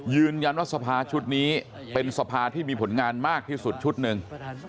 ยืนยันว่าสภาชุดนี้เป็นสภาที่มีผลงานมากที่สุดชุดนึง